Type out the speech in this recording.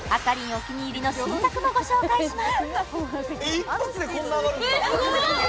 お気に入りの新作もご紹介します